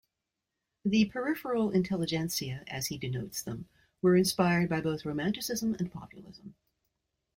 The peripheral intelligentsia, as he denotes them, were inspired by both romanticism and populism.